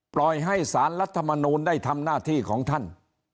ปล่อยให้สารรัฐมนูลได้ทำหน้าที่ของท่าน